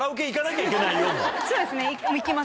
そうですね。